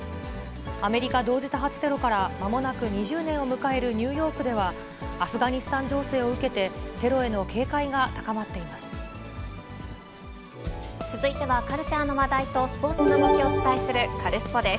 アメリカ同時多発テロから、まもなく２０年を迎えるニューヨークでは、アフガニスタン情勢を受けて、テロへの警戒が高まって続いてはカルチャーの話題とスポーツの動きをお伝えする、カルスポっ！です。